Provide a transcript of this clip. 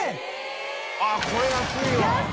◆舛これ安いわ。